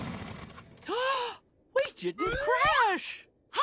は